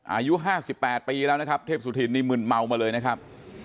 อายุ๕๘ปีแล้วนะครับเทพสุธินนี่มึนเมามาเลยนะครับ